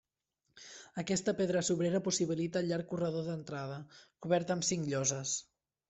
Aquesta pedra sobrera possibilita el llarg corredor d'entrada, cobert amb cinc lloses.